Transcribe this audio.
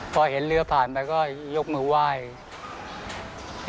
พอเห็นเรือผ่านไปก็ยกมือไหว้